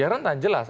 ya rentan jelas